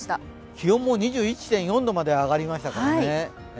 気温も２１．４度まで上がりましたからね。